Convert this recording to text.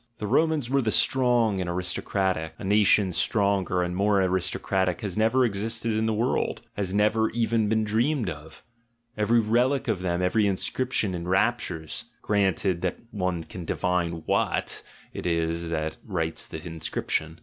The Romans were the strong and aristocratic; a nation stronger and more aristocratic has never existed in the world, has never even been dreamed of; every relic of them, every inscription enraptures, granted that one can divine what it is that writes the inscription.